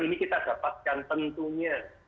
ini kita dapatkan tentunya